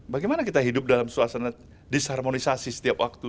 bagaimana kita hidup dalam suasana disharmonisasi setiap waktu